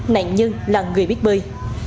nạn nhân là người biết bơi